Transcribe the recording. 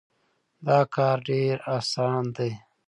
دا کار ډېر اسان دی.